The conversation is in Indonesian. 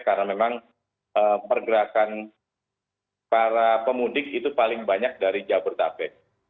karena memang pergerakan para pemudik itu paling banyak dari jabodetabek